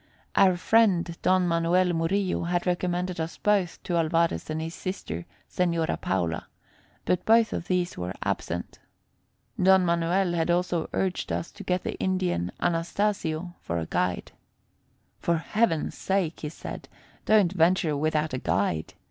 Our friend, Don Manuel Murillo, had recommended us both to Alvarez and to his sister, Señora Paula, but both of these were absent. Don Manuel had also urged us to get the Indian Anastasio for a guide. "For heaven's sake," he said, "don't venture without a guide.